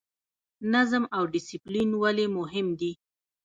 نظم او ډیسپلین ولې مهم دي؟